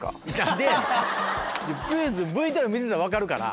クイズＶＴＲ見てたら分かるから。